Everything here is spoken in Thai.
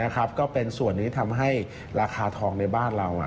ก็เป็นส่วนหนึ่งทำให้ราคาทองในบ้านเรา